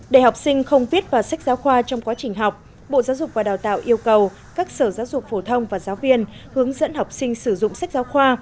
để học sinh không viết vào sách giáo khoa trong quá trình học bộ giáo dục và đào tạo yêu cầu các sở giáo dục phổ thông và giáo viên hướng dẫn học sinh sử dụng sách giáo khoa